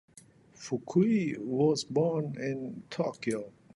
Fukui was born in Tokyo.